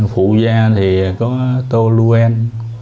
phụ gia thì có toluen